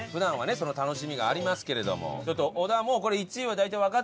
その楽しみがありますけれども。